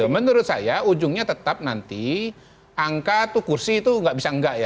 menurut saya ujungnya tetap nanti angka tuh kursi itu nggak bisa enggak ya